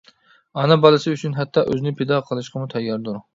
ئانا بالىسى ئۈچۈن ھەتتا ئۆزىنى پىدا قىلىشقىمۇ تەيياردۇر.